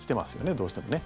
どうしてもね。